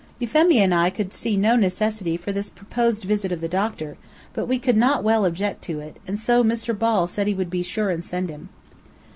Euphemia and I could see no necessity for this proposed visit of the doctor, but we could not well object to it, and so Mr. Ball said he would be sure and send him.